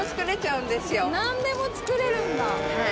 何でも作れるんだ！